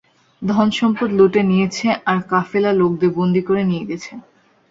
ধনসম্পদ লুটে নিয়েছে আর কাফেলার লোকদের বন্দী করে নিয়ে গেছে।